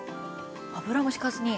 油も引かずに？